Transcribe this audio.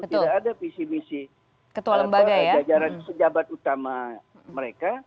tidak ada visi misi ketua lembaga atau sejabat utama mereka